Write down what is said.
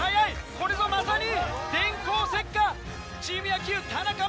これぞまさに電光石火チーム野球田中美羽！